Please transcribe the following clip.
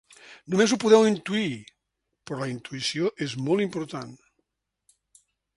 Només ho podeu intuir, però la intuïció és molt important.